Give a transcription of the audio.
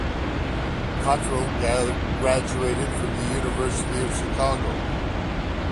Cottrell graduated from the University of Chicago.